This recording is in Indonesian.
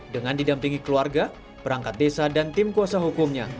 dengan didampingi keluarga perangkat desa dan tim kuasa hukumnya